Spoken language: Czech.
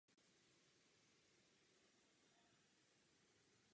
To je základní podmínka pro zachování rovnováhy evropských orgánů.